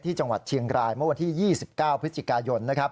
จังหวัดเชียงรายเมื่อวันที่๒๙พฤศจิกายน